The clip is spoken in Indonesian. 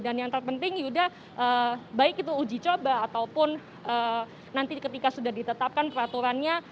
dan yang terpenting ya sudah baik itu uji coba ataupun nanti ketika sudah ditetapkan peraturannya